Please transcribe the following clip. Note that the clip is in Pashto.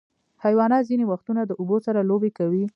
حیوانات ځینې وختونه د اوبو سره لوبې کوي.